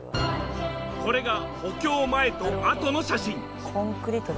これが補強前と後の写真。